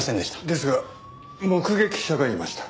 ですが目撃者がいました。